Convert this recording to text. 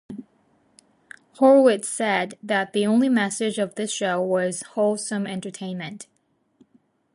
Horwitz said that the only message of the show was "wholesome entertainment".